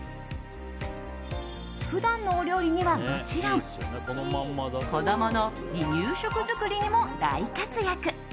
普段のお料理にはもちろん子供の離乳食作りにも大活躍。